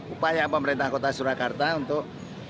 upaya pemerintah kota surakarta untuk